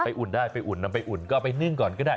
อุ่นได้ไปอุ่นนำไปอุ่นก็เอาไปนึ่งก่อนก็ได้